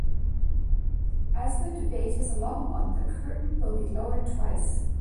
As the debate is a long one, the curtain will be lowered twice.